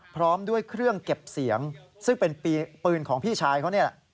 พร้อมด้วยเครื่องเก็บเสียงซึ่งเป็นปืนของพี่ชายเขานี่แหละ